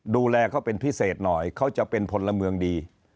ดูแลเขาเป็นพิเศษหน่อยเขาจะเป็นพลเมืองดี